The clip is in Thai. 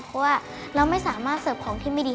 เพราะว่าเราไม่สามารถเสิร์ฟของที่ไม่ดี